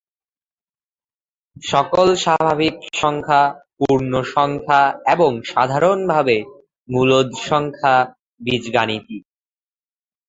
সকল স্বাভাবিক সংখ্যা, পূর্ণ সংখ্যা, এবং, সাধারণভাবে, মূলদ সংখ্যা বীজগাণিতিক।